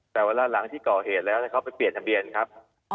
แต่เวลาหลังที่ก่อเหตุแล้วเขาไปเปลี่ยนทะเบียนครับ